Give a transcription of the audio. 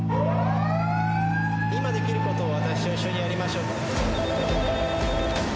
今できることを私と一緒にやりましょう。